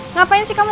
ngapain sih kamu